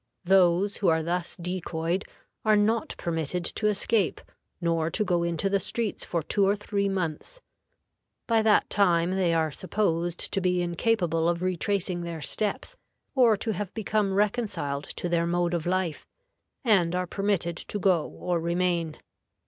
Those who are thus decoyed are not permitted to escape, nor to go into the streets for two or three months. By that time they are supposed to be incapable of retracing their steps, or to have become reconciled to their mode of life, and are permitted to go or remain.